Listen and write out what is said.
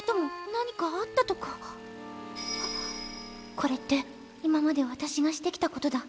これって今まで私がしてきたことだ。